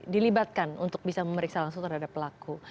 dilibatkan untuk bisa memeriksa langsung terhadap pelaku